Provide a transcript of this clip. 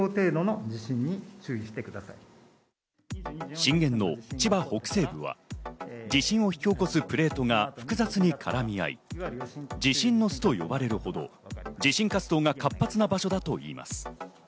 震源の千葉北西部は、地震を引き起こすプレートが複雑に絡み合い、地震の巣と呼ばれるほど地震活動が活発な場所だといいます。